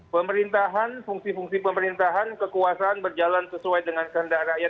pemerintahan fungsi fungsi pemerintahan kekuasaan berjalan sesuai dengan kehendak rakyat